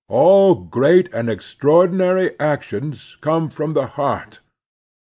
All great and extraordinary actions come from the heart.